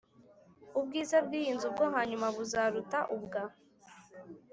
Ubwiza bw iyi nzu bwo hanyuma buzaruta ubwa